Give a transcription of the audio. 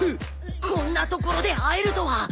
こんな所で会えるとは。